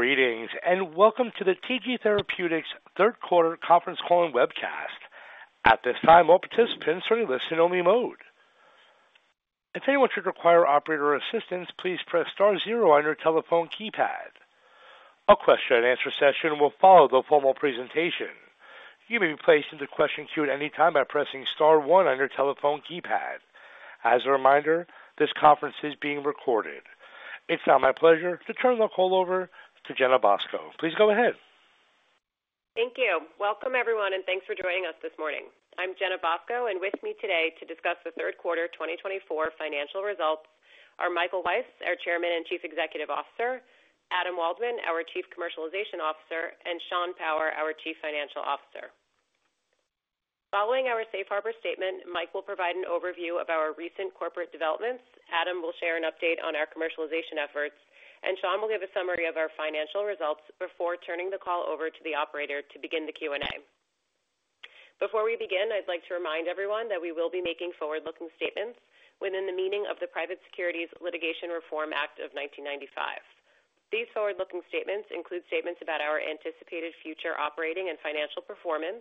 Greetings and welcome to the TG Therapeutics third quarter conference call and webcast. At this time, all participants are in listen-only mode. If anyone should require operator assistance, please press star zero on your telephone keypad. A question-and-answer session will follow the formal presentation. You may be placed into question queue at any time by pressing star one on your telephone keypad. As a reminder, this conference is being recorded. It's now my pleasure to turn the call over to Jenna Bosco. Please go ahead. Thank you. Welcome, everyone, and thanks for joining us this morning. I'm Jenna Bosco, and with me today to discuss the third quarter 2024 financial results are Michael Weiss, our Chairman and Chief Executive Officer, Adam Waldman, our Chief Commercialization Officer, and Sean Power, our Chief Financial Officer. Following our Safe Harbor statement, Mike will provide an overview of our recent corporate developments, Adam will share an update on our commercialization efforts, and Sean will give a summary of our financial results before turning the call over to the operator to begin the Q&A. Before we begin, I'd like to remind everyone that we will be making forward-looking statements within the meaning of the Private Securities Litigation Reform Act of 1995. These forward-looking statements include statements about our anticipated future operating and financial performance,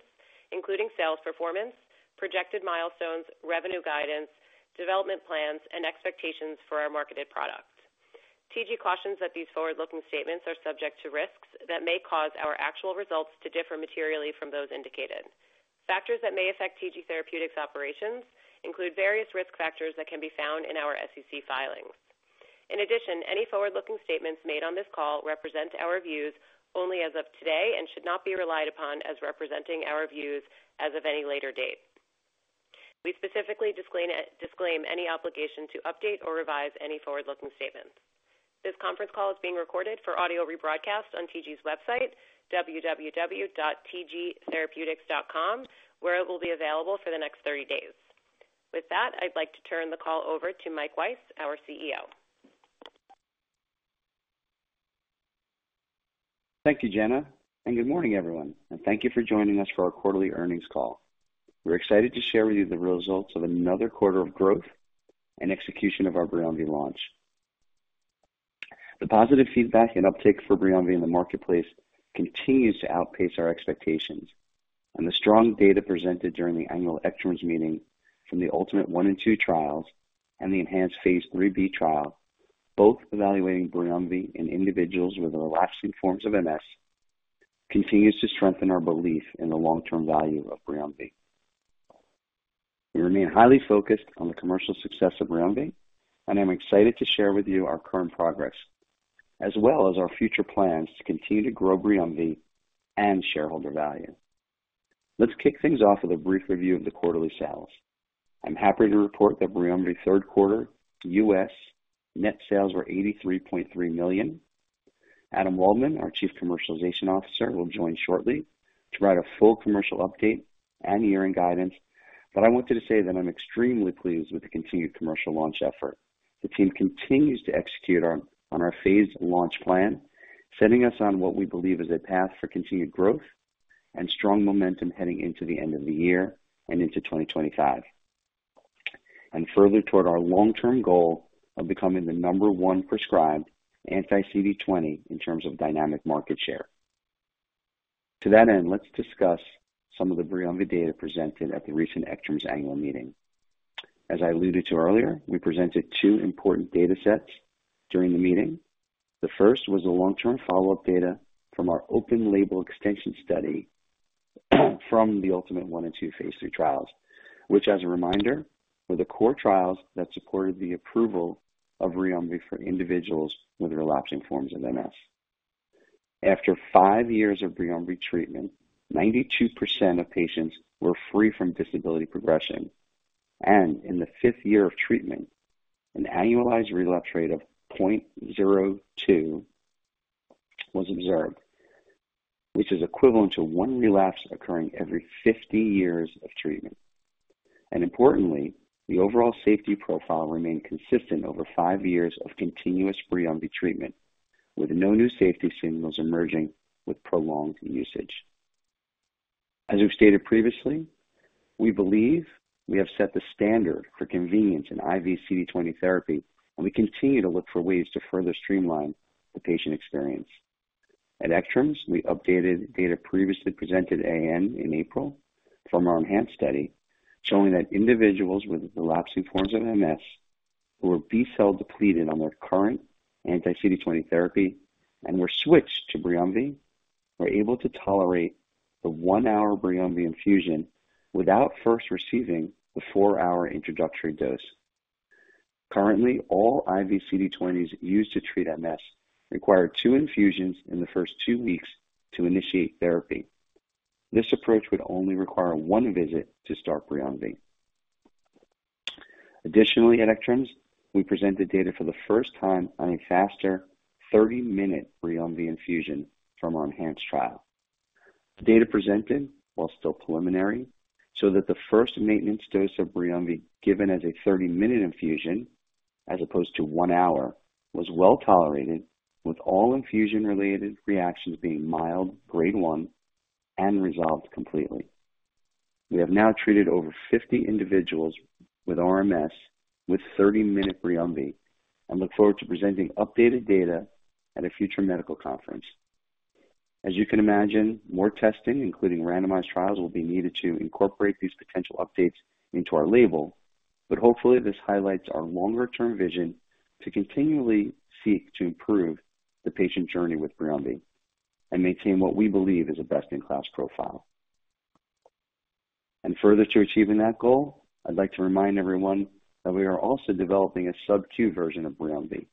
including sales performance, projected milestones, revenue guidance, development plans, and expectations for our marketed product. TG cautions that these forward-looking statements are subject to risks that may cause our actual results to differ materially from those indicated. Factors that may affect TG Therapeutics' operations include various risk factors that can be found in our SEC filings. In addition, any forward-looking statements made on this call represent our views only as of today and should not be relied upon as representing our views as of any later date. We specifically disclaim any obligation to update or revise any forward-looking statements. This conference call is being recorded for audio rebroadcast on TG's website, www.tgtherapeutics.com, where it will be available for the next 30 days. With that, I'd like to turn the call over to Mike Weiss, our CEO. Thank you, Jenna, and good morning, everyone, and thank you for joining us for our quarterly earnings call. We're excited to share with you the results of another quarter of growth and execution of our Briumvi launch. The positive feedback and uptake for Briumvi in the marketplace continues to outpace our expectations, and the strong data presented during the annual ECTRIMS meeting from the ULTIMATE I and II trials and the ENHANCE phase 3b trial, both evaluating Briumvi in individuals with relapsing forms of MS, continues to strengthen our belief in the long-term value of Briumvi. We remain highly focused on the commercial success of Briumvi, and I'm excited to share with you our current progress, as well as our future plans to continue to grow Briumvi and shareholder value. Let's kick things off with a brief review of the quarterly sales. I'm happy to report that Briumvi third quarter U.S. net sales were $83.3 million. Adam Waldman, our Chief Commercialization Officer, will join shortly to provide a full commercial update and year-end guidance, but I wanted to say that I'm extremely pleased with the continued commercial launch effort. The team continues to execute on our phased launch plan, setting us on what we believe is a path for continued growth and strong momentum heading into the end of the year and into 2025, and further toward our long-term goal of becoming the number one prescribed anti-CD20 in terms of dynamic market share. To that end, let's discuss some of the Briumvi data presented at the recent ECTRIMS annual meeting. As I alluded to earlier, we presented two important data sets during the meeting. The first was the long-term follow-up data from our open label extension study from the ULTIMATE I and II phase 3 trials, which, as a reminder, were the core trials that supported the approval of Briumvi for individuals with relapsing forms of MS. After five years of Briumvi treatment, 92% of patients were free from disability progression, and in the fifth year of treatment, an annualized relapse rate of 0.02 was observed, which is equivalent to one relapse occurring every 50 years of treatment. Importantly, the overall safety profile remained consistent over five years of continuous Briumvi treatment, with no new safety signals emerging with prolonged usage. As we've stated previously, we believe we have set the standard for convenience in IV CD20 therapy, and we continue to look for ways to further streamline the patient experience. At ACTRIMS, we updated data previously presented at AAN in April from our ENHANCE study, showing that individuals with relapsing forms of MS who were B-cell depleted on their current anti-CD20 therapy and were switched to Briumvi were able to tolerate the one-hour Briumvi infusion without first receiving the four-hour introductory dose. Currently, all IV CD20s used to treat MS require two infusions in the first two weeks to initiate therapy. This approach would only require one visit to start Briumvi. Additionally, at ACTRIMS, we presented data for the first time on a faster 30-minute Briumvi infusion from our ENHANCE trial. Data presented, while still preliminary, showed that the first maintenance dose of Briumvi, given as a 30-minute infusion as opposed to one hour, was well tolerated, with all infusion-related reactions being mild, grade 1, and resolved completely. We have now treated over 50 individuals with RMS with 30-minute Briumvi and look forward to presenting updated data at a future medical conference. As you can imagine, more testing, including randomized trials, will be needed to incorporate these potential updates into our label, but hopefully this highlights our longer-term vision to continually seek to improve the patient journey with Briumvi and maintain what we believe is a best-in-class profile, and further to achieving that goal, I'd like to remind everyone that we are also developing a sub-Q version of Briumvi.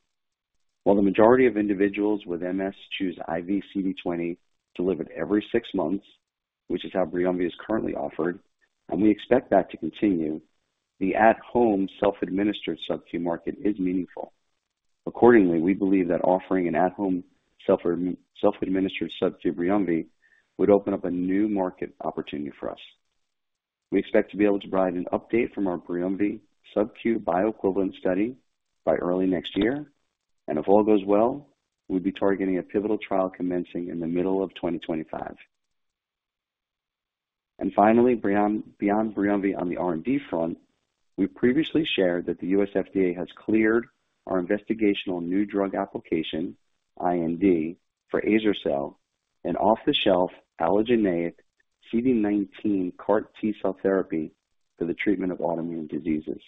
While the majority of individuals with MS choose IV CD20 delivered every six months, which is how Briumvi is currently offered, and we expect that to continue, the at-home self-administered sub-Q market is meaningful. Accordingly, we believe that offering an at-home self-administered sub-Q Briumvi would open up a new market opportunity for us. We expect to be able to provide an update from our Briumvi Sub-Q bioequivalent study by early next year, and if all goes well, we'll be targeting a pivotal trial commencing in the middle of 2025. And finally, beyond Briumvi on the R&D front, we previously shared that the U.S. FDA has cleared our investigational new drug application, IND, for Azer-Cel, an off-the-shelf allogeneic CD19 CAR-T cell therapy for the treatment of autoimmune diseases.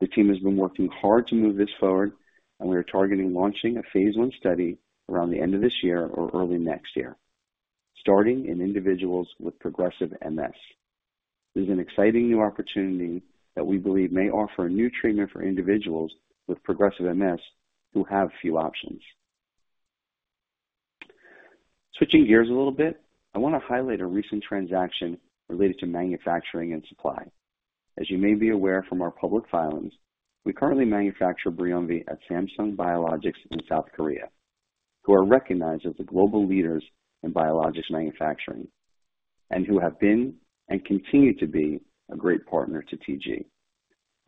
The team has been working hard to move this forward, and we are targeting launching a phase one study around the end of this year or early next year, starting in individuals with progressive MS. This is an exciting new opportunity that we believe may offer a new treatment for individuals with progressive MS who have few options. Switching gears a little bit, I want to highlight a recent transaction related to manufacturing and supply. As you may be aware from our public filings, we currently manufacture Briumvi at Samsung Biologics in South Korea, who are recognized as the global leaders in biologics manufacturing and who have been and continue to be a great partner to TG.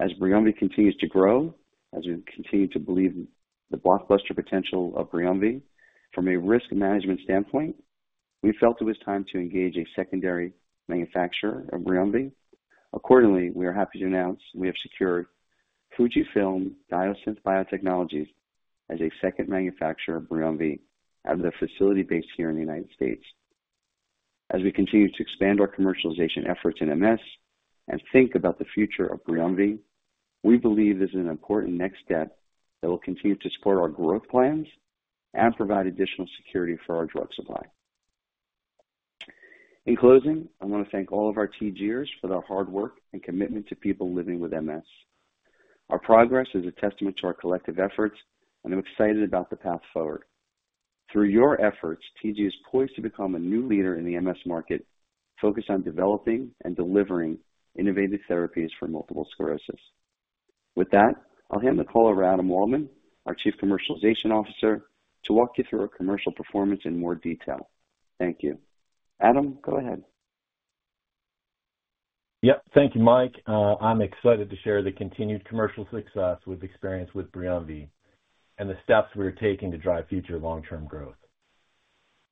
As Briumvi continues to grow, as we continue to believe the blockbuster potential of Briumvi, from a risk management standpoint, we felt it was time to engage a secondary manufacturer of Briumvi. Accordingly, we are happy to announce we have secured Fujifilm Diosynth Biotechnologies as a second manufacturer of Briumvi out of their facility based here in the United States. As we continue to expand our commercialization efforts in MS and think about the future of Briumvi, we believe this is an important next step that will continue to support our growth plans and provide additional security for our drug supply. In closing, I want to thank all of our TGers for their hard work and commitment to people living with MS. Our progress is a testament to our collective efforts, and I'm excited about the path forward. Through your efforts, TG is poised to become a new leader in the MS market, focused on developing and delivering innovative therapies for multiple sclerosis. With that, I'll hand the call over to Adam Waldman, our Chief Commercialization Officer, to walk you through our commercial performance in more detail. Thank you. Adam, go ahead. Yep, thank you, Mike. I'm excited to share the continued commercial success we've experienced with Briumvi and the steps we're taking to drive future long-term growth.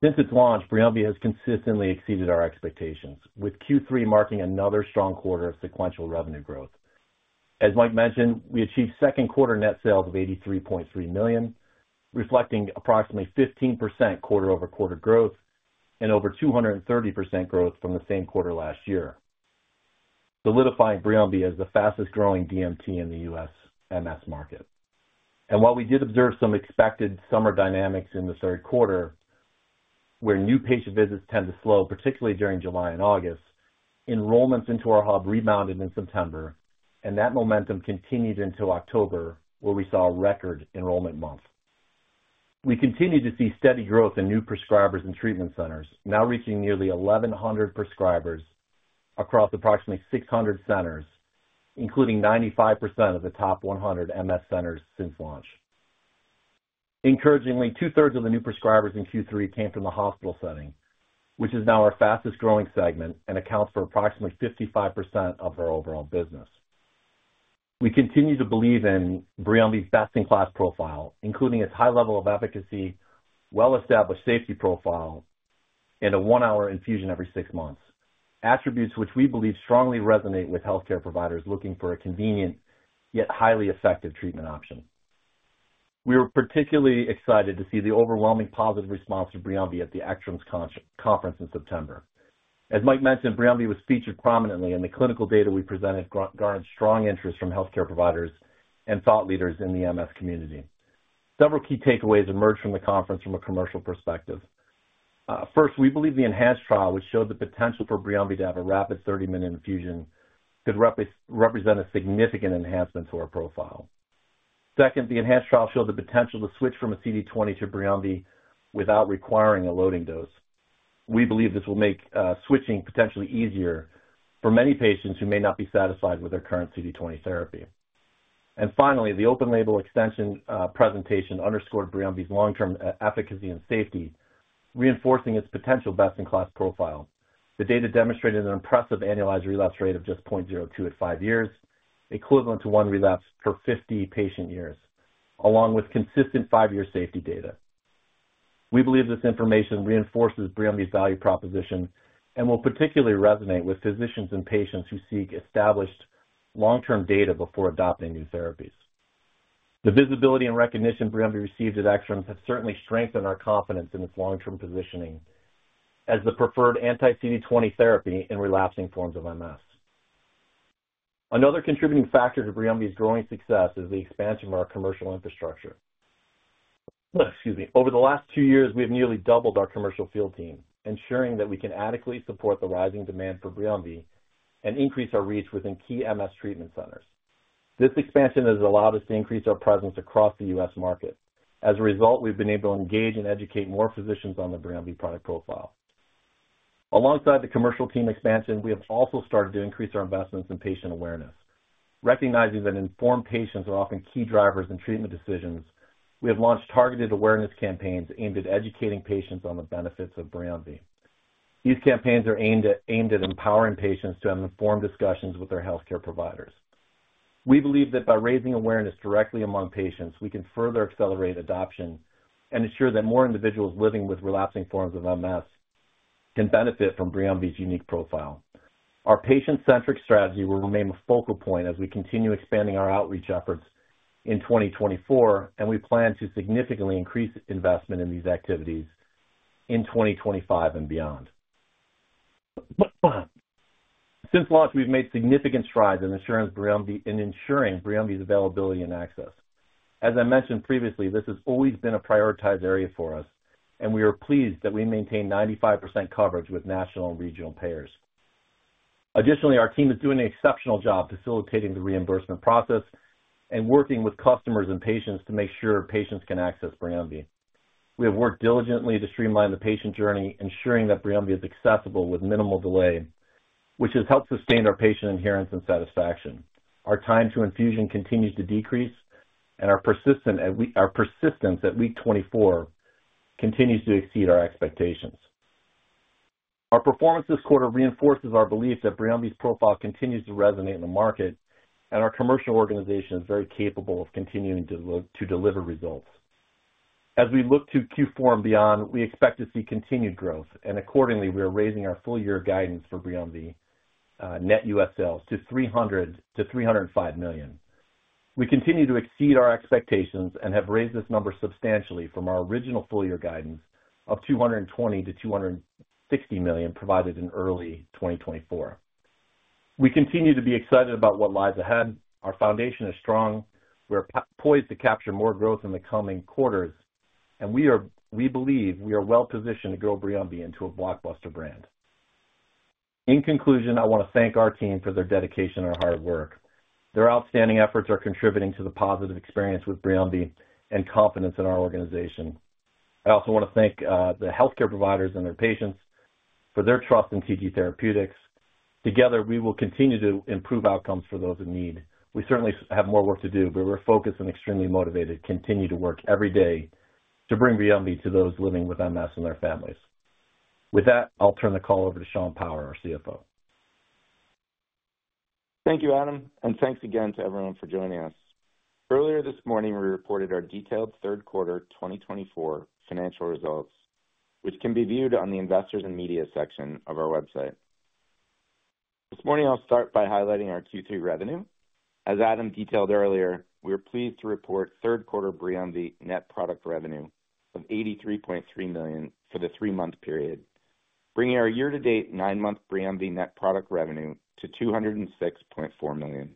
Since its launch, Briumvi has consistently exceeded our expectations, with Q3 marking another strong quarter of sequential revenue growth. As Mike mentioned, we achieved third quarter net sales of $83.3 million, reflecting approximately 15% quarter-over-quarter growth and over 230% growth from the same quarter last year, solidifying Briumvi as the fastest-growing DMT in the US MS market. While we did observe some expected summer dynamics in the third quarter, where new patient visits tend to slow, particularly during July and August, enrollments into our hub rebounded in September, and that momentum continued into October, where we saw a record enrollment month. We continue to see steady growth in new prescribers and treatment centers, now reaching nearly 1,100 prescribers across approximately 600 centers, including 95% of the top 100 MS centers since launch. Encouragingly, two-thirds of the new prescribers in Q3 came from the hospital setting, which is now our fastest-growing segment and accounts for approximately 55% of our overall business. We continue to believe in Briumvi's best-in-class profile, including its high level of efficacy, well-established safety profile, and a one-hour infusion every six months, attributes which we believe strongly resonate with healthcare providers looking for a convenient yet highly effective treatment option. We were particularly excited to see the overwhelming positive response to Briumvi at the excellence conference in September. As Mike mentioned, Briumvi was featured prominently, and the clinical data we presented garnered strong interest from healthcare providers and thought leaders in the MS community. Several key takeaways emerged from the conference from a commercial perspective. First, we believe the enhanced trial, which showed the potential for Briumvi to have a rapid 30-minute infusion, could represent a significant enhancement to our profile. Second, the enhanced trial showed the potential to switch from a CD20 to Briumvi without requiring a loading dose. We believe this will make switching potentially easier for many patients who may not be satisfied with their current CD20 therapy, and finally, the open label extension presentation underscored Briumvi's long-term efficacy and safety, reinforcing its potential best-in-class profile. The data demonstrated an impressive annualized relapse rate of just 0.02 at five years, equivalent to one relapse per 50 patient years, along with consistent five-year safety data. We believe this information reinforces Briumvi's value proposition and will particularly resonate with physicians and patients who seek established long-term data before adopting new therapies. The visibility and recognition Briumvi received at ECTRIMS has certainly strengthened our confidence in its long-term positioning as the preferred anti-CD20 therapy in relapsing forms of MS. Another contributing factor to Briumvi's growing success is the expansion of our commercial infrastructure. Excuse me. Over the last two years, we have nearly doubled our commercial field team, ensuring that we can adequately support the rising demand for Briumvi and increase our reach within key MS treatment centers. This expansion has allowed us to increase our presence across the U.S. market. As a result, we've been able to engage and educate more physicians on the Briumvi product profile. Alongside the commercial team expansion, we have also started to increase our investments in patient awareness. Recognizing that informed patients are often key drivers in treatment decisions, we have launched targeted awareness campaigns aimed at educating patients on the benefits of Briumvi. These campaigns are aimed at empowering patients to have informed discussions with their healthcare providers. We believe that by raising awareness directly among patients, we can further accelerate adoption and ensure that more individuals living with relapsing forms of MS can benefit from Briumvi's unique profile. Our patient-centric strategy will remain a focal point as we continue expanding our outreach efforts in 2024, and we plan to significantly increase investment in these activities in 2025 and beyond. Since launch, we've made significant strides in ensuring Briumvi's availability and access. As I mentioned previously, this has always been a prioritized area for us, and we are pleased that we maintain 95% coverage with national and regional payers. Additionally, our team is doing an exceptional job facilitating the reimbursement process and working with customers and patients to make sure patients can access Briumvi. We have worked diligently to streamline the patient journey, ensuring that Briumvi is accessible with minimal delay, which has helped sustain our patient adherence and satisfaction. Our time to infusion continues to decrease, and our persistence at week 24 continues to exceed our expectations. Our performance this quarter reinforces our belief that Briumvi's profile continues to resonate in the market, and our commercial organization is very capable of continuing to deliver results. As we look to Q4 and beyond, we expect to see continued growth, and accordingly, we are raising our full-year guidance for Briumvi net U.S. sales to $300 million-$305 million. We continue to exceed our expectations and have raised this number substantially from our original full-year guidance of $220 million-$260 million provided in early 2024. We continue to be excited about what lies ahead. Our foundation is strong. We are poised to capture more growth in the coming quarters, and we believe we are well-positioned to grow Briumvi into a blockbuster brand. In conclusion, I want to thank our team for their dedication and hard work. Their outstanding efforts are contributing to the positive experience with Briumvi and confidence in our organization. I also want to thank the healthcare providers and their patients for their trust in TG Therapeutics. Together, we will continue to improve outcomes for those in need. We certainly have more work to do, but we're focused and extremely motivated to continue to work every day to bring Briumvi to those living with MS and their families. With that, I'll turn the call over to Sean Power, our CFO. Thank you, Adam, and thanks again to everyone for joining us. Earlier this morning, we reported our detailed third quarter 2024 financial results, which can be viewed on the investors and media section of our website. This morning, I'll start by highlighting our Q3 revenue. As Adam detailed earlier, we are pleased to report third quarter Briumvi net product revenue of $83.3 million for the three-month period, bringing our year-to-date nine-month Briumvi net product revenue to $206.4 million.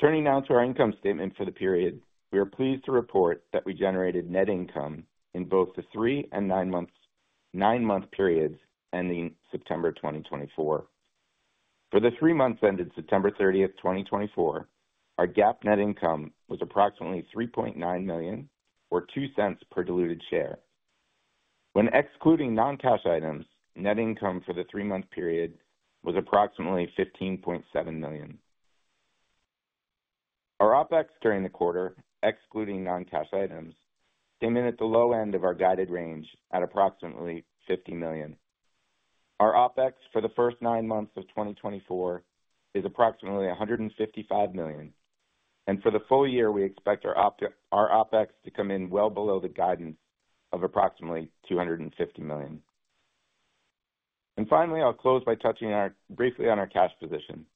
Turning now to our income statement for the period, we are pleased to report that we generated net income in both the three and nine-month periods ending September 2024. For the three months ended September 30th, 2024, our GAAP net income was approximately $3.9 million, or $0.02 per diluted share. When excluding non-cash items, net income for the three-month period was approximately $15.7 million. Our OpEx during the quarter, excluding non-cash items, came in at the low end of our guided range at approximately $50 million. Our OpEx for the first nine months of 2024 is approximately $155 million, and for the full year, we expect our OpEx to come in well below the guidance of approximately $250 million, and finally, I'll close by touching briefly on our cash position.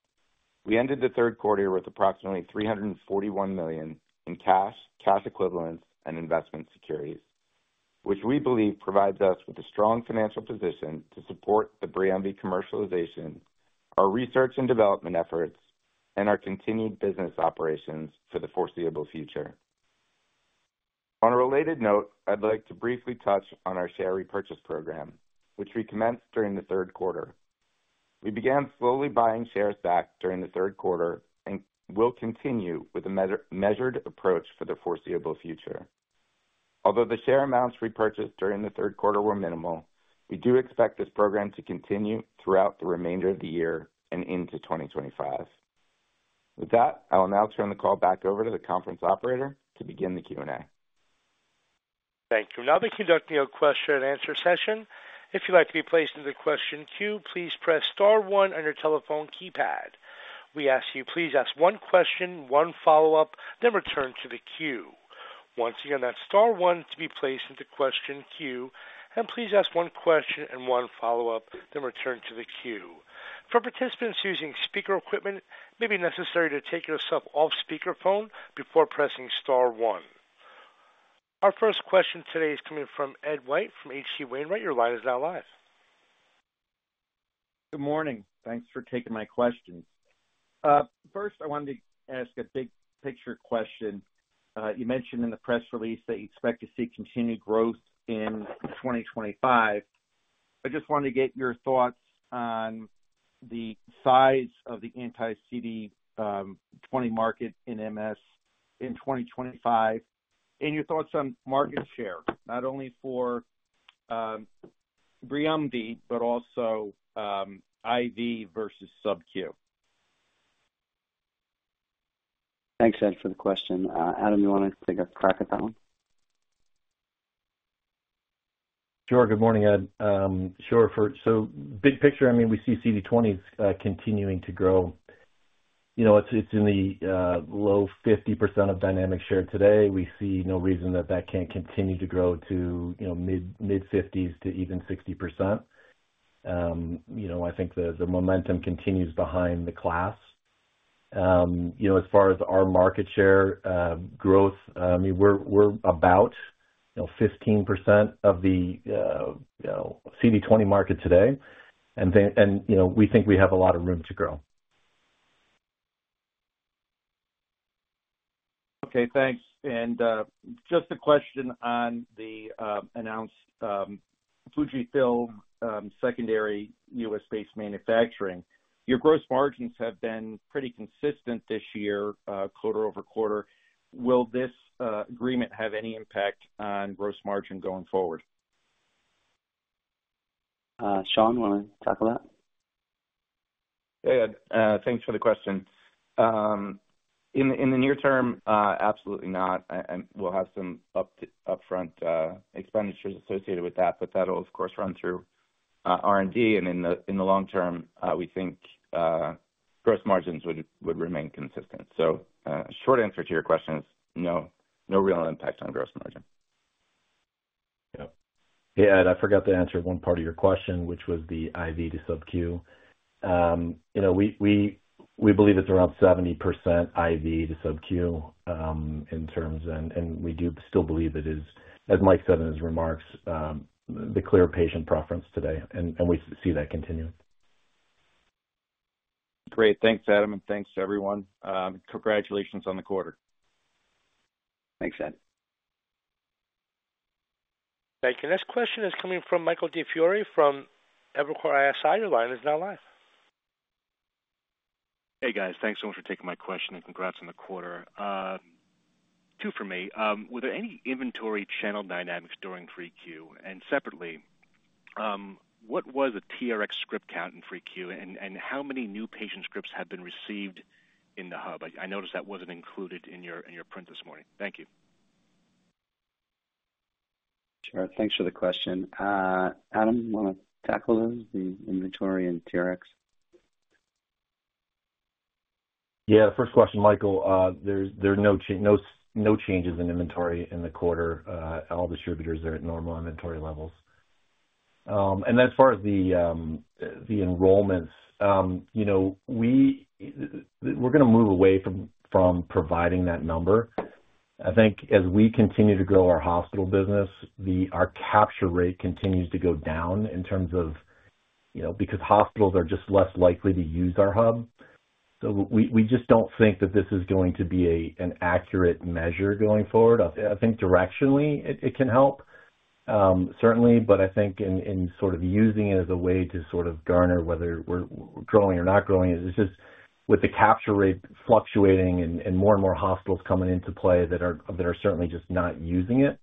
We ended the third quarter with approximately $341 million in cash, cash equivalents, and investment securities, which we believe provides us with a strong financial position to support the Briumvi commercialization, our research and development efforts, and our continued business operations for the foreseeable future. On a related note, I'd like to briefly touch on our share repurchase program, which we commenced during the third quarter. We began slowly buying shares back during the third quarter and will continue with a measured approach for the foreseeable future. Although the share amounts repurchased during the third quarter were minimal, we do expect this program to continue throughout the remainder of the year and into 2025. With that, I will now turn the call back over to the conference operator to begin the Q&A. Thank you. Now, we are conducting a question-and-answer session. If you'd like to be placed in the question queue, please press star one on your telephone keypad. We ask you, please ask one question, one follow-up, then return to the queue. Once again, that's star one to be placed into question queue, and please ask one question and one follow-up, then return to the queue. For participants using speaker equipment, it may be necessary to take yourself off speakerphone before pressing star one. Our first question today is coming from Ed White from H.C. Wainwright. Your line is now live. Good morning. Thanks for taking my questions. First, I wanted to ask a big-picture question. You mentioned in the press release that you expect to see continued growth in 2025. I just wanted to get your thoughts on the size of the anti-CD20 market in MS in 2025 and your thoughts on market share, not only for Briumvi, but also IV versus subQ. Thanks, Ed, for the question. Adam, you want to take a crack at that one? Sure. Good morning, Ed. Sure. So big picture, I mean, we see CD20s continuing to grow. It's in the low 50% of dynamic share today. We see no reason that that can't continue to grow to mid-50s to even 60%. I think the momentum continues behind the class. As far as our market share growth, I mean, we're about 15% of the CD20 market today, and we think we have a lot of room to grow. Okay. Thanks. And just a question on the announced Fujifilm secondary US-based manufacturing. Your gross margins have been pretty consistent this year, quarter over quarter. Will this agreement have any impact on gross margin going forward? Sean, you want to talk about that? Hey, Ed. Thanks for the question. In the near term, absolutely not. We'll have some upfront expenditures associated with that, but that'll, of course, run through R&D. And in the long term, we think gross margins would remain consistent. So short answer to your question is no, no real impact on gross margin. Yeah. Yeah. And I forgot to answer one part of your question, which was the IV to subQ. We believe it's around 70% IV to subQ in terms, and we do still believe it is, as Mike said in his remarks, the clear patient preference today, and we see that continue. Great. Thanks, Adam, and thanks to everyone. Congratulations on the quarter. Thanks, Ed. Thank you. Next question is coming from Michael DiFiore from Evercore ISI. Your line is now live. Hey, guys. Thanks so much for taking my question and congrats on the quarter. Two for me. Were there any inventory channel dynamics during Q3? And separately, what was the TRX script count in Q3, and how many new patient scripts have been received in the hub? I noticed that wasn't included in your print this morning. Thank you. Sure. Thanks for the question. Adam, you want to tackle those, the inventory and TRX? Yeah. First question, Michael. There are no changes in inventory in the quarter. All distributors are at normal inventory levels. And as far as the enrollments, we're going to move away from providing that number. I think as we continue to grow our hospital business, our capture rate continues to go down in terms of because hospitals are just less likely to use our hub. So we just don't think that this is going to be an accurate measure going forward. I think directionally, it can help, certainly, but I think in sort of using it as a way to sort of garner whether we're growing or not growing. It's just with the capture rate fluctuating and more and more hospitals coming into play that are certainly just not using it.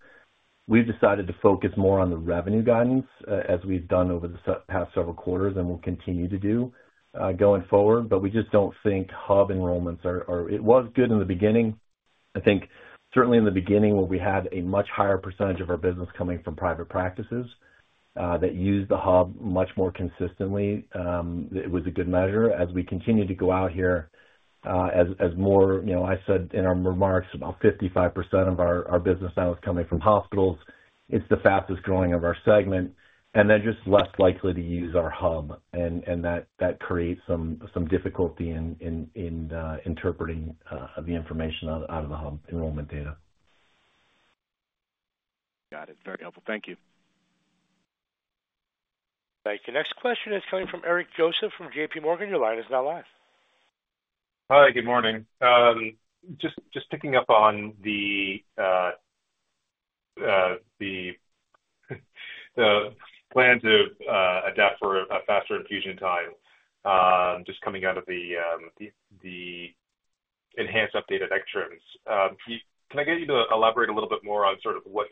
We've decided to focus more on the revenue guidance as we've done over the past several quarters and will continue to do going forward. But we just don't think hub enrollments are. It was good in the beginning. I think certainly in the beginning when we had a much higher percentage of our business coming from private practices that used the hub much more consistently, it was a good measure. As we continue to go out here, as more, I said in our remarks, about 55% of our business now is coming from hospitals. It's the fastest growing of our segment, and they're just less likely to use our hub, and that creates some difficulty in interpreting the information out of the hub enrollment data. Got it. Very helpful. Thank you. Thank you. Next question is coming from Eric Joseph from J.P. Morgan. Your line is now live. Hi. Good morning. Just picking up on the plans to adapt for a faster infusion time, just coming out of the ENHANCE updated extras. Can I get you to elaborate a little bit more on sort of what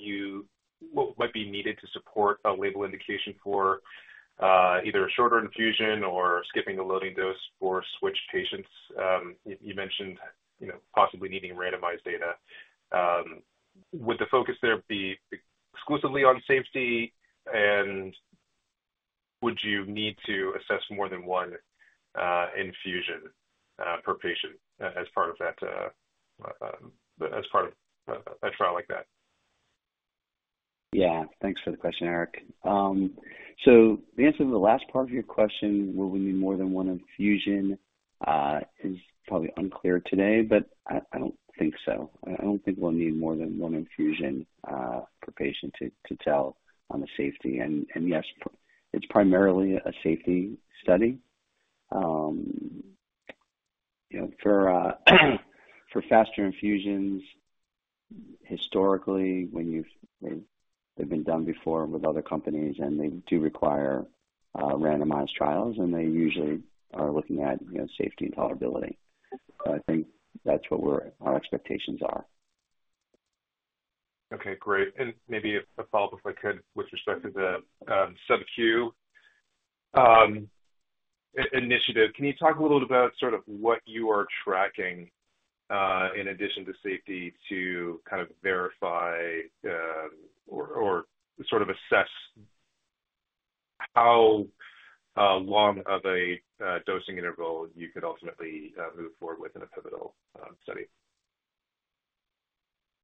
might be needed to support a label indication for either a shorter infusion or skipping the loading dose for switch patients? You mentioned possibly needing randomized data. Would the focus there be exclusively on safety, and would you need to assess more than one infusion per patient as part of that as part of a trial like that? Yeah. Thanks for the question, Eric. So the answer to the last part of your question, will we need more than one infusion, is probably unclear today, but I don't think so. I don't think we'll need more than one infusion per patient to tell on the safety. And yes, it's primarily a safety study. For faster infusions, historically, when they've been done before with other companies, and they do require randomized trials, and they usually are looking at safety and tolerability. So I think that's what our expectations are. Okay. Great. And maybe a follow-up, if I could, with respect to the sub-Q initiative. Can you talk a little bit about sort of what you are tracking in addition to safety to kind of verify or sort of assess how long of a dosing interval you could ultimately move forward with in a pivotal study?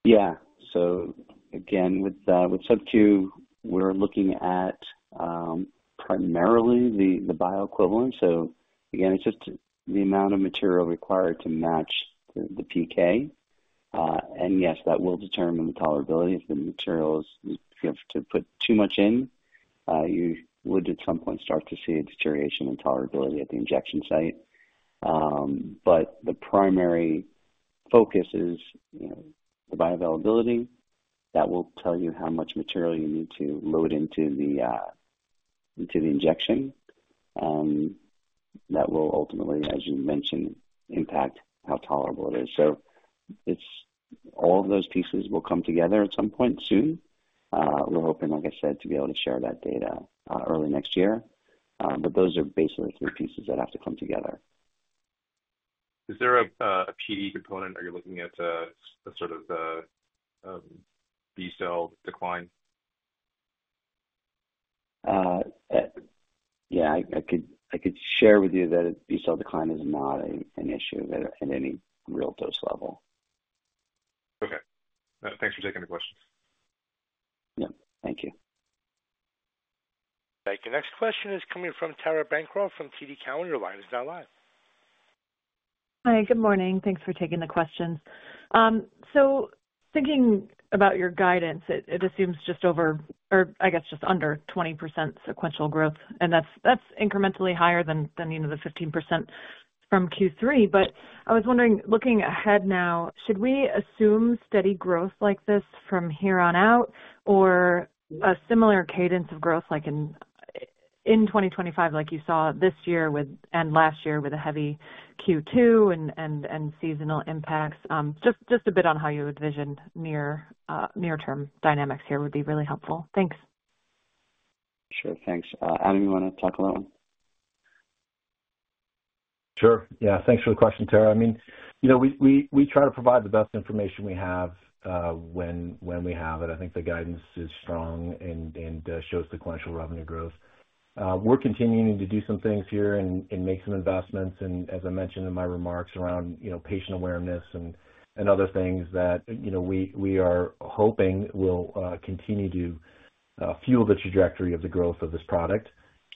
Yeah. So again, with Sub-Q, we're looking at primarily the bioequivalent. So again, it's just the amount of material required to match the PK. And yes, that will determine the tolerability of the materials. If you have to put too much in, you would at some point start to see a deterioration in tolerability at the injection site. But the primary focus is the bioavailability. That will tell you how much material you need to load into the injection. That will ultimately, as you mentioned, impact how tolerable it is. So all of those pieces will come together at some point soon. We're hoping, like I said, to be able to share that data early next year. But those are basically three pieces that have to come together. Is there a PD component? Are you looking at sort of B-cell decline? Yeah. I could share with you that B-cell decline is not an issue at any real dose level. Okay. Thanks for taking the question. Yeah. Thank you. Thank you. Next question is coming from Tara Bancroft from TD Cowen. It's now live. Hi. Good morning. Thanks for taking the questions. So thinking about your guidance, it assumes just over, or I guess just under 20% sequential growth, and that's incrementally higher than the 15% from Q3. But I was wondering, looking ahead now, should we assume steady growth like this from here on out or a similar cadence of growth in 2025, like you saw this year and last year with a heavy Q2 and seasonal impacts? Just a bit on how you would envision near-term dynamics here would be really helpful. Thanks. Sure. Thanks. Adam, you want to tackle that one? Sure. Yeah. Thanks for the question, Tara. I mean, we try to provide the best information we have when we have it. I think the guidance is strong and shows sequential revenue growth. We're continuing to do some things here and make some investments. And as I mentioned in my remarks around patient awareness and other things that we are hoping will continue to fuel the trajectory of the growth of this product.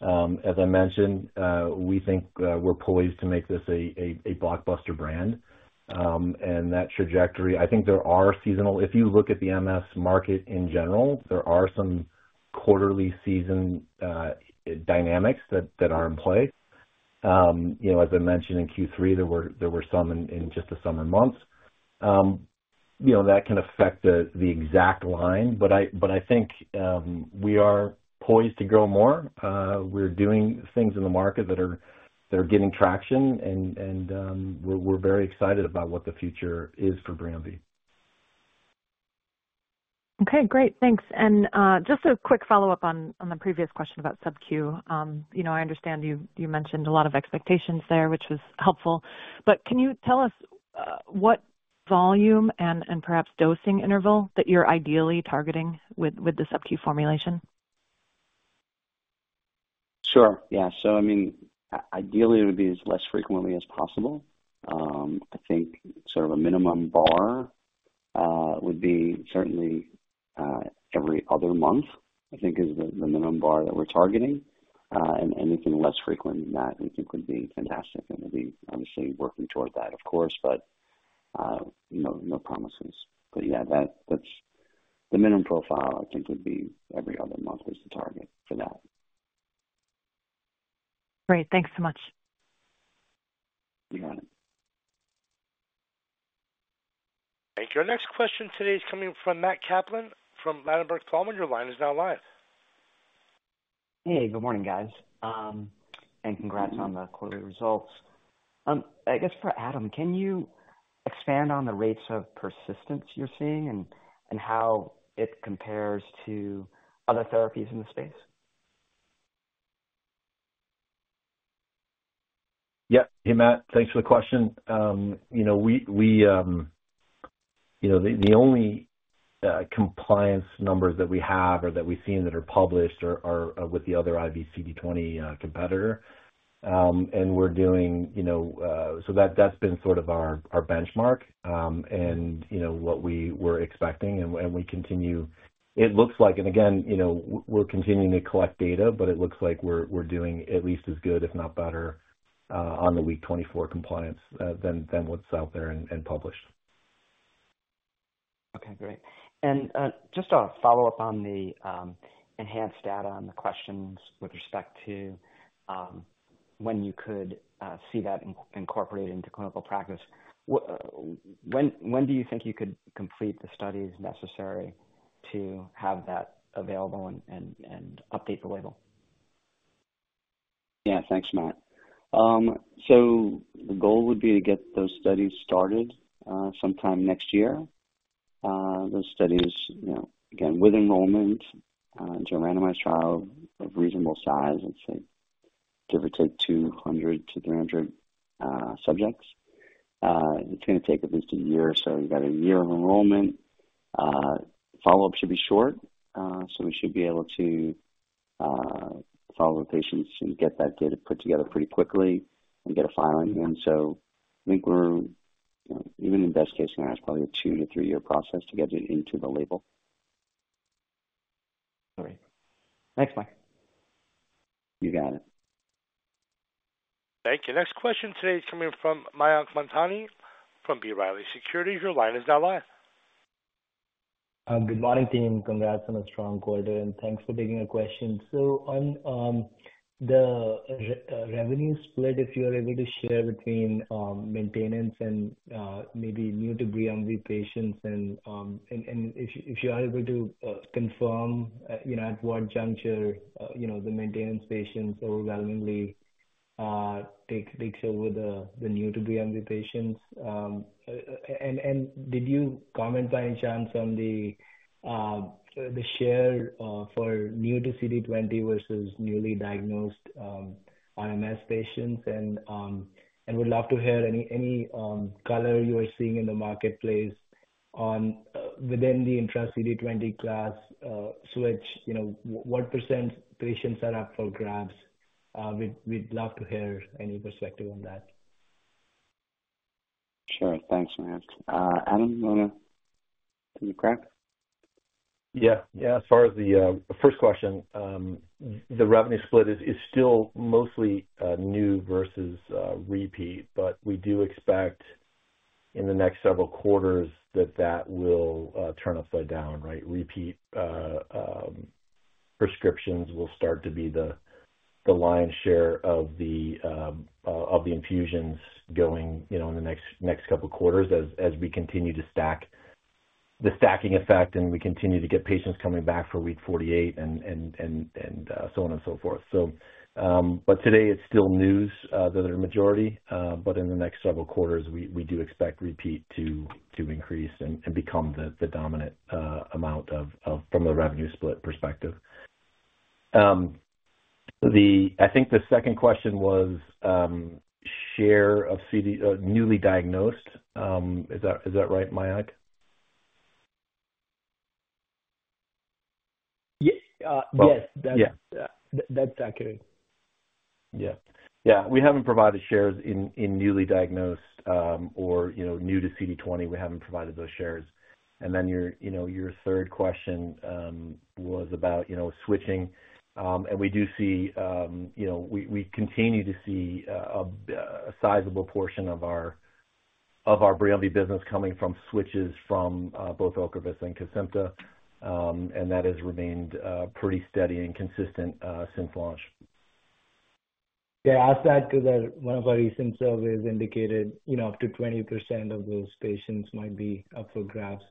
As I mentioned, we think we're poised to make this a blockbuster brand. And that trajectory, I think there are seasonal if you look at the MS market in general, there are some quarterly season dynamics that are in play. As I mentioned in Q3, there were some in just the summer months. That can affect the exact line, but I think we are poised to grow more. We're doing things in the market that are getting traction, and we're very excited about what the future is for Briumvi. Okay. Great. Thanks. And just a quick follow-up on the previous question about sub-Q. I understand you mentioned a lot of expectations there, which was helpful. But can you tell us what volume and perhaps dosing interval that you're ideally targeting with the sub-Q formulation? Sure. Yeah. So I mean, ideally, it would be as less frequently as possible. I think sort of a minimum bar would be certainly every other month, I think, is the minimum bar that we're targeting, and anything less frequent than that, I think, would be fantastic, and we'll be obviously working toward that, of course, but no promises, but yeah, the minimum profile, I think, would be every other month is the target for that. Great. Thanks so much. You got it. Thank you. Our next question today is coming from Matt Kaplan from Ladenburg Thalmann. Your line is now live. Hey. Good morning, guys. And congrats on the quarterly results. I guess for Adam, can you expand on the rates of persistence you're seeing and how it compares to other therapies in the space? Yeah. Hey, Matt. Thanks for the question. The only compliance numbers that we have or that we've seen that are published are with the other IV CD20 competitor. And we're doing so. That's been sort of our benchmark and what we were expecting. And we continue. It looks like and again, we're continuing to collect data, but it looks like we're doing at least as good, if not better, on the week 24 compliance than what's out there and published. Okay. Great. And just a follow-up on the enhanced data on the questions with respect to when you could see that incorporated into clinical practice. When do you think you could complete the studies necessary to have that available and update the label? Yeah. Thanks, Matt. So the goal would be to get those studies started sometime next year. Those studies, again, with enrollment, do a randomized trial of reasonable size, let's say, give or take 200 to 300 subjects. It's going to take at least a year. So you've got a year of enrollment. Follow-up should be short. So we should be able to follow the patients and get that data put together pretty quickly and get a filing. And so I think we're even in best case scenario, it's probably a two to three-year process to get it into the label. All right. Thanks, Mike. You got it. Thank you. Next question today is coming from Mayank Mamtani from B. Riley Securities. Your line is now live. Good morning, team. Congrats on a strong quarter. And thanks for taking the question. So on the revenue split, if you're able to share between maintenance and maybe new-to-Briumvi patients and if you are able to confirm at what juncture the maintenance patients overwhelmingly takes over the new-to-Briumvi patients. And did you comment by any chance on the share for new-to-CD20 versus newly diagnosed RMS patients? And would love to hear any color you are seeing in the marketplace within the intra-CD20 class switch. What % patients are up for grabs? We'd love to hear any perspective on that. Sure. Thanks, Matt. Adam, you want to take a crack? Yeah. Yeah. As far as the first question, the revenue split is still mostly new versus repeat, but we do expect in the next several quarters that that will turn upside down, right? Repeat prescriptions will start to be the lion's share of the infusions going in the next couple of quarters as we continue to stack the stacking effect and we continue to get patients coming back for week 48 and so on and so forth. But today, it's still new that are the majority. But in the next several quarters, we do expect repeat to increase and become the dominant amount from a revenue split perspective. I think the second question was share of newly diagnosed. Is that right, Mayank? Yes. That's accurate. Yeah. Yeah. We haven't provided shares in newly diagnosed or new-to-CD20. We haven't provided those shares. And then your third question was about switching. And we do see we continue to see a sizable portion of our Briumvi business coming from switches from both Ocrevus and Kesimpta. And that has remained pretty steady and consistent since launch. Yeah. I'll add to that, one of our recent surveys indicated up to 20% of those patients might be up for grabs.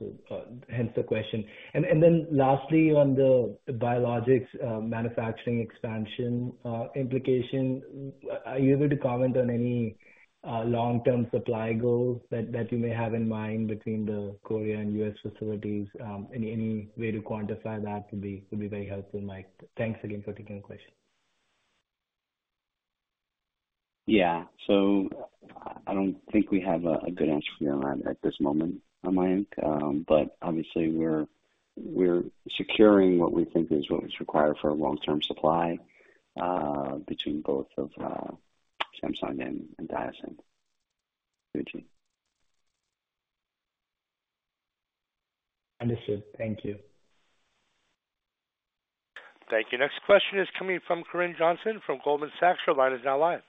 Hence the question. And then lastly, on the biologics manufacturing expansion implication, are you able to comment on any long-term supply goals that you may have in mind between the Korea and US facilities? Any way to quantify that would be very helpful, Mike. Thanks again for taking the question. Yeah. So I don't think we have a good answer for you on that at this moment, Mayank. But obviously, we're securing what we think is what's required for a long-term supply between both of Samsung and Diosynth. Understood. Thank you. Thank you. Next question is coming from Corinne Jenkins from Goldman Sachs. Her line is now live.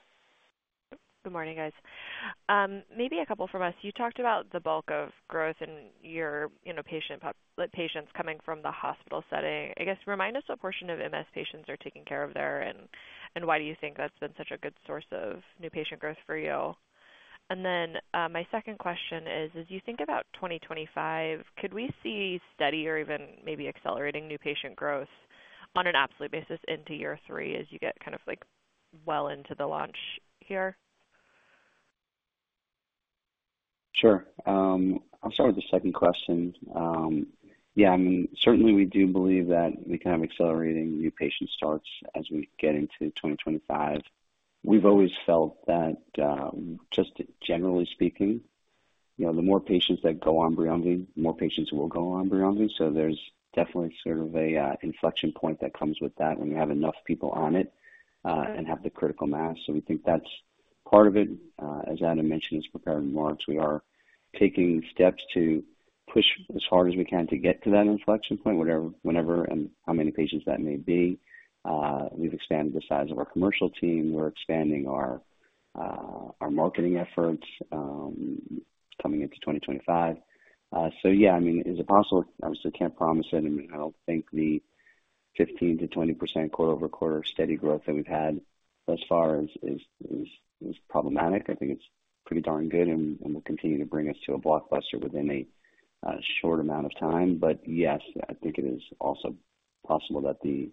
Good morning, guys. Maybe a couple from us. You talked about the bulk of growth in your patients coming from the hospital setting. I guess remind us what portion of MS patients are taking care of there, and why do you think that's been such a good source of new patient growth for you? And then my second question is, as you think about 2025, could we see steady or even maybe accelerating new patient growth on an absolute basis into year three as you get kind of well into the launch here? Sure. I'll start with the second question. Yeah. I mean, certainly, we do believe that we can have accelerating new patient starts as we get into 2025. We've always felt that just generally speaking, the more patients that go on Briumvi, the more patients will go on Briumvi. So there's definitely sort of an inflection point that comes with that when you have enough people on it and have the critical mass. So we think that's part of it. As Adam mentioned, as prepared in March, we are taking steps to push as hard as we can to get to that inflection point, whenever and how many patients that may be. We've expanded the size of our commercial team. We're expanding our marketing efforts coming into 2025. So yeah, I mean, is it possible? Obviously, I can't promise it. I mean, I don't think the 15%-20% quarter-over-quarter steady growth that we've had thus far is problematic. I think it's pretty darn good, and we'll continue to bring us to a blockbuster within a short amount of time. But yes, I think it is also possible that the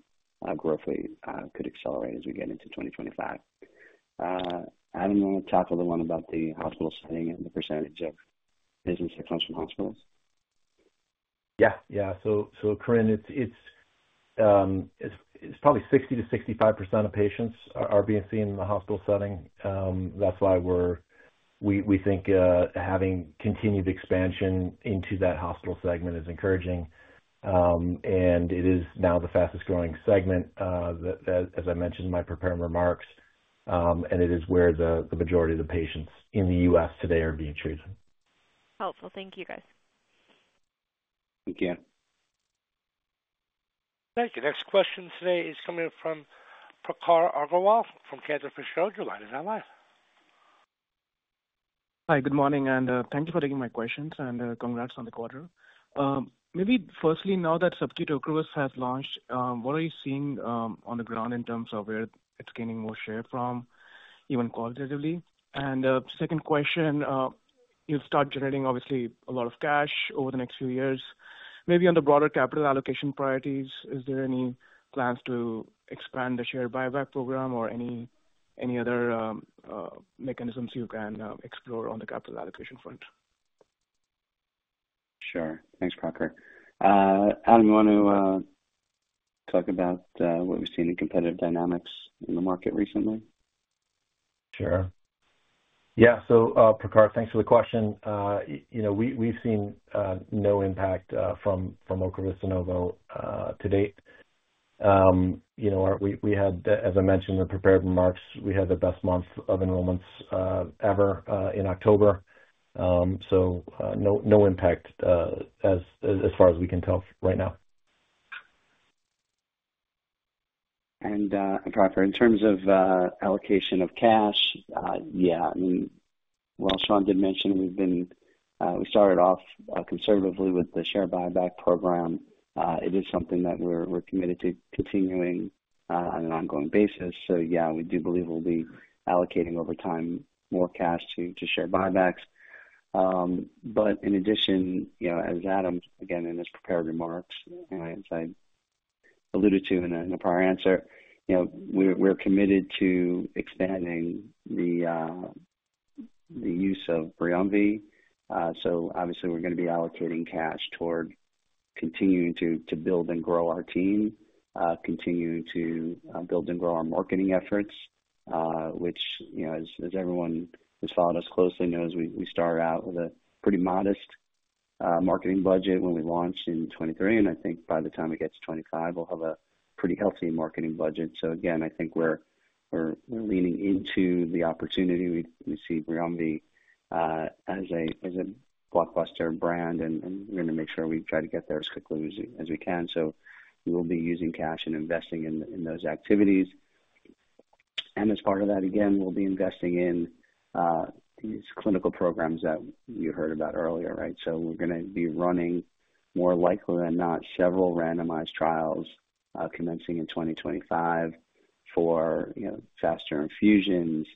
growth rate could accelerate as we get into 2025. Adam, you want to tackle the one about the hospital setting and the percentage of business that comes from hospitals? Yeah. Yeah, so Corinne, it's probably 60%-65% of patients are being seen in the hospital setting. That's why we think having continued expansion into that hospital segment is encouraging, and it is now the fastest-growing segment, as I mentioned in my prepared remarks, and it is where the majority of the patients in the U.S. today are being treated. Helpful. Thank you, guys. Thank you. Thank you. Next question today is coming from Prakhar Agrawal from Cantor Fitzgerald. Your line is now live. Hi. Good morning, and thank you for taking my questions and congrats on the quarter. Maybe firstly, now that SubQ Ocrevus has launched, what are you seeing on the ground in terms of where it's gaining more share from, even qualitatively? And second question, you'll start generating, obviously, a lot of cash over the next few years. Maybe on the broader capital allocation priorities, is there any plans to expand the share buyback program or any other mechanisms you can explore on the capital allocation front? Sure. Thanks, Prakhar. Adam, you want to talk about what we've seen in competitive dynamics in the market recently? Sure. Yeah. So Prakhar, thanks for the question. We've seen no impact from Ocrevus Zunovo to date. We had, as I mentioned in the prepared remarks, we had the best month of enrollments ever in October. So no impact as far as we can tell right now. And Prakhar, in terms of allocation of cash, yeah. I mean, well, Sean did mention we started off conservatively with the share buyback program. It is something that we're committed to continuing on an ongoing basis. So yeah, we do believe we'll be allocating over time more cash to share buybacks. But in addition, as Adam, again, in his prepared remarks, and I alluded to in the prior answer, we're committed to expanding the use of Briumvi. So obviously, we're going to be allocating cash toward continuing to build and grow our team, continuing to build and grow our marketing efforts, which, as everyone who's followed us closely knows, we started out with a pretty modest marketing budget when we launched in 2023. And I think by the time it gets 2025, we'll have a pretty healthy marketing budget. So again, I think we're leaning into the opportunity. We see Briumvi as a blockbuster brand, and we're going to make sure we try to get there as quickly as we can. So we will be using cash and investing in those activities. And as part of that, again, we'll be investing in these clinical programs that you heard about earlier, right? So we're going to be running, more likely than not, several randomized trials commencing in 2025 for faster infusions,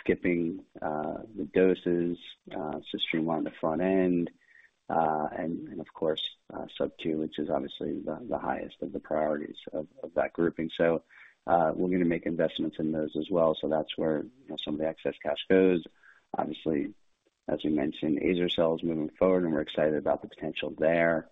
skipping the doses to streamline the front end. And of course, SubQ, which is obviously the highest of the priorities of that grouping. So we're going to make investments in those as well. So that's where some of the excess cash goes. Obviously, as we mentioned, Azer-Cel is moving forward, and we're excited about the potential there.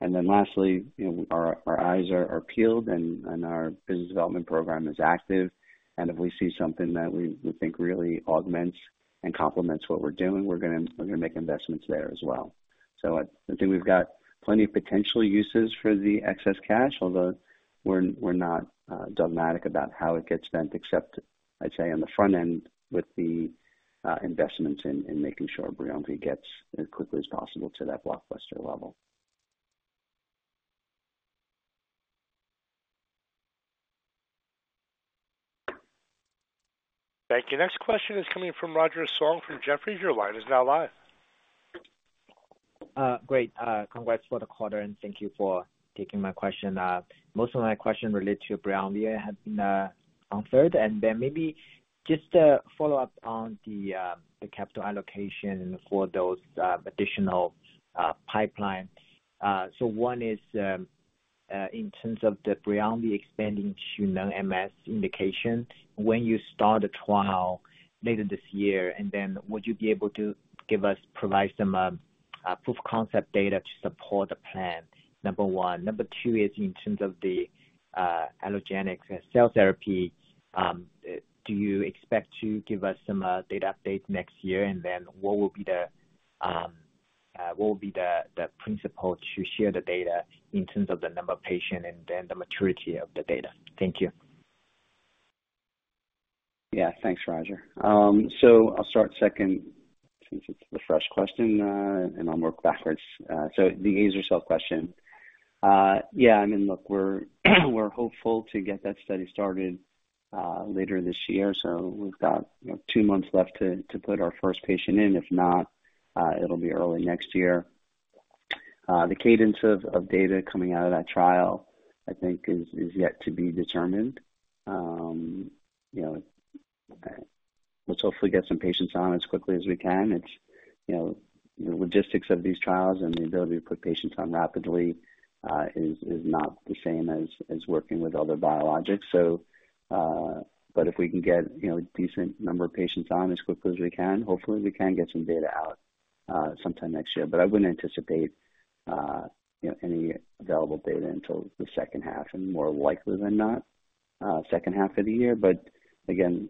And then lastly, our eyes are peeled, and our business development program is active. And if we see something that we think really augments and complements what we're doing, we're going to make investments there as well. So I think we've got plenty of potential uses for the excess cash, although we're not dogmatic about how it gets spent, except, I'd say, on the front end with the investments in making sure Briumvi gets as quickly as possible to that blockbuster level. Thank you. Next question is coming from Roger Song from Jefferies. Your line is now live. Great. Congrats for the quarter, and thank you for taking my question. Most of my questions related to Briumvi have been answered. And then maybe just a follow-up on the capital allocation for those additional pipelines. So one is in terms of the Briumvi expanding to non-MS indication, when you start the trial later this year, and then would you be able to provide some proof of concept data to support the plan? Number one. Number two is in terms of the allogeneic cell therapy, do you expect to give us some data updates next year? And then what will be the principle to share the data in terms of the number of patients and then the maturity of the data? Thank you. Yeah. Thanks, Roger. So I'll start second since it's the first question, and I'll work backwards. So the Azer-Cel question. Yeah. I mean, look, we're hopeful to get that study started later this year. So we've got two months left to put our first patient in. If not, it'll be early next year. The cadence of data coming out of that trial, I think, is yet to be determined. Let's hopefully get some patients on as quickly as we can. The logistics of these trials and the ability to put patients on rapidly is not the same as working with other biologics. But if we can get a decent number of patients on as quickly as we can, hopefully, we can get some data out sometime next year. But I wouldn't anticipate any available data until the second half and more likely than not, second half of the year. But again,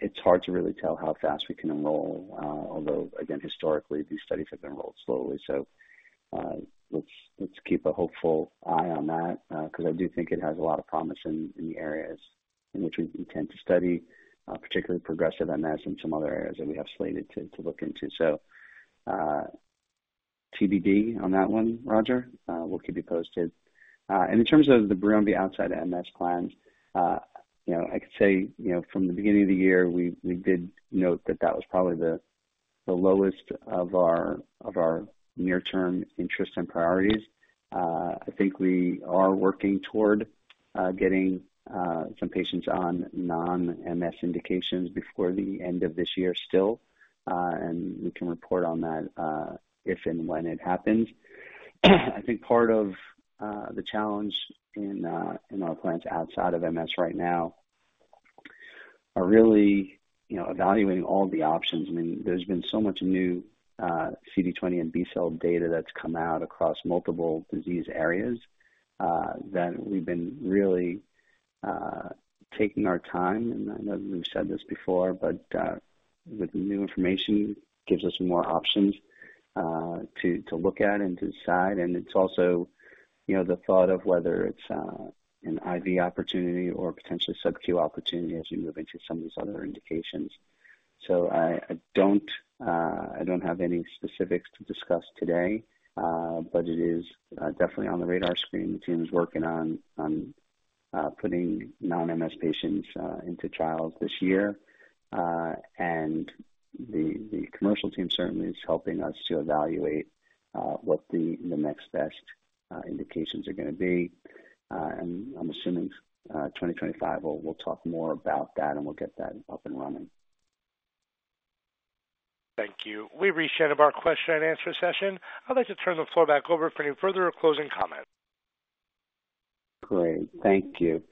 it's hard to really tell how fast we can enroll, although, again, historically, these studies have enrolled slowly. So let's keep a hopeful eye on that because I do think it has a lot of promise in the areas in which we intend to study, particularly progressive MS and some other areas that we have slated to look into. So TBD on that one, Roger. We'll keep you posted. And in terms of the Briumvi outside MS plans, I could say from the beginning of the year, we did note that that was probably the lowest of our near-term interest and priorities. I think we are working toward getting some patients on non-MS indications before the end of this year still. And we can report on that if and when it happens. I think part of the challenge in our plans outside of MS right now are really evaluating all the options. I mean, there's been so much new CD20 and B-cell data that's come out across multiple disease areas that we've been really taking our time. I know we've said this before, but with new information, it gives us more options to look at and to decide. It's also the thought of whether it's an IV opportunity or potentially Sub-Q opportunity as we move into some of these other indications. I don't have any specifics to discuss today, but it is definitely on the radar screen. The team is working on putting non-MS patients into trials this year. The commercial team certainly is helping us to evaluate what the next best indications are going to be. I'm assuming 2025, we'll talk more about that, and we'll get that up and running. Thank you. We've reached the end of our question and answer session. I'd like to turn the floor back over for any further or closing comments. Great. Thank you.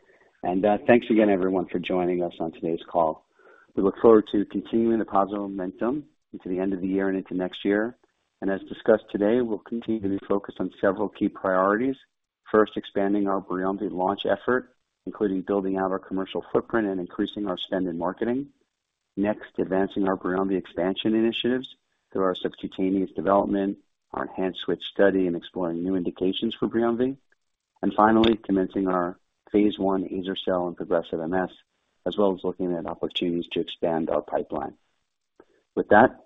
And thanks again, everyone, for joining us on today's call. We look forward to continuing the positive momentum into the end of the year and into next year. And as discussed today, we'll continue to be focused on several key priorities. First, expanding our Briumvi launch effort, including building out our commercial footprint and increasing our spend in marketing. Next, advancing our Briumvi expansion initiatives through our subcutaneous development, our enhanced switch study, and exploring new indications for Briumvi. And finally, commencing our phase one Azer-Cel and progressive MS, as well as looking at opportunities to expand our pipeline. With that,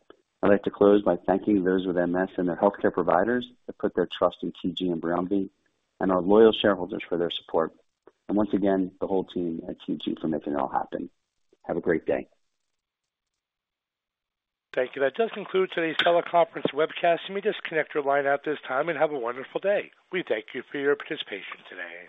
I'd like to close by thanking those with MS and their healthcare providers that put their trust in TG and Briumvi and our loyal shareholders for their support. And once again, the whole team at TG for making it all happen. Have a great day. Thank you. That does conclude today's teleconference webcast. You may disconnect your line at this time and have a wonderful day. We thank you for your participation today.